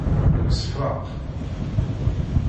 Nemsefraq.